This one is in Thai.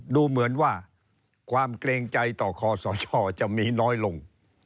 ดูเหมือนว่าความเกรงใจต่อคอสชจะมีน้อยลง